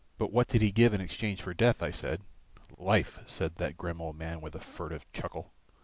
"But what did he give in exchange for death?" I said. "Life," said that grim old man with a furtive chuckle.